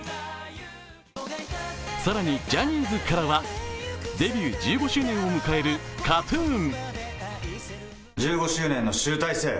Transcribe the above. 更にジャニーズからはデビュー１５周年を迎えるＫＡＴ−ＴＵＮ。